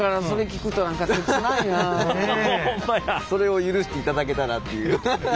それを許していただけたらっていう。